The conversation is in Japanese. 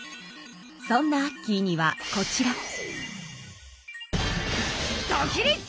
そんなアッキーにはこちら。